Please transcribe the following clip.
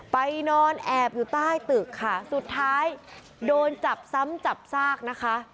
ไปนอนแอบอยู่ใต้ตึกค่ะสุดท้ายโดนจับซ้ำจับซากนะคะ